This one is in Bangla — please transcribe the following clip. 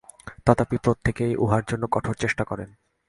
তথাপি প্রত্যেকেই উহার জন্য কঠোর চেষ্টা করেন।